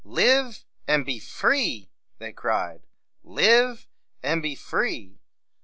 "Live and be free!" they cried. "Live and be free!"